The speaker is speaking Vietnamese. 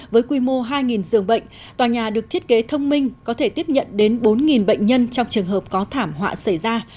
với quy mô hai giường bệnh tòa nhà được thiết kế thông minh có thể tiếp nhận đến bốn bệnh nhân trong trường hợp có thảm họa xảy ra